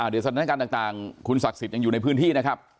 เดี๋ยวสถานการณ์ต่างคุณศักดิ์สิทธิ์ยังอยู่ในพื้นที่นะครับ